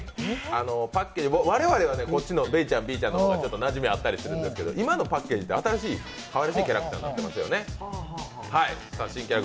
我々はこっちのベイちゃん、ビーちゃんの方がなじみあるんですが、今のパッケージって、新しいかわいらしいキャラクターになってますよね。